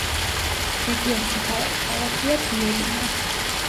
რეგიონის მთავარი ქალაქია ბიელინა.